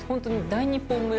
大日本村？